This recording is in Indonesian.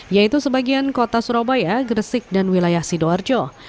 yaitu sebagian kota surabaya gresik dan wilayah sidoarjo